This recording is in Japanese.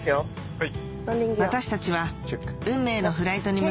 はい。